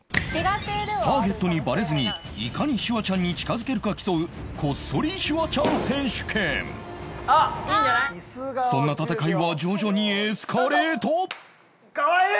ターゲットにバレずにいかにシュワちゃんに近づけるか競う「こっそりシュワちゃん選手権」そんな戦いは徐々にエスカレートかわいい！